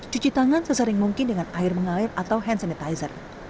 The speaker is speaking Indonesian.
cuci tangan sesering mungkin dengan air mengalir atau hand sanitizer